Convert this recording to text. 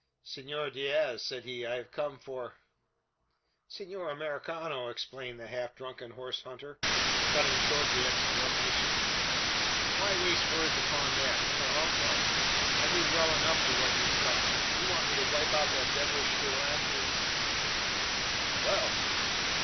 "Senor Diaz!" said he, "I have come for " "Senor Americano!" exclaimed the half drunken horse hunter, cutting short the explanation, "why waste words upon that? Carrambo! I know well enough for what you've come. You want me to wipe out that devilish Irlandes!" "Well!"